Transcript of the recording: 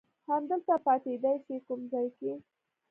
همدلته پاتېدای شې، کوم ځای کې؟